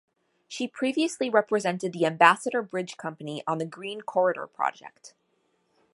She previously represented the Ambassador Bridge Company on the Green Corridor Project.